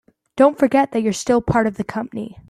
Don't forget that you're still part of the company.